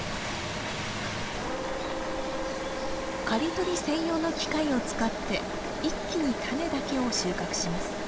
刈り取り専用の機械を使って一気にタネだけを収穫します。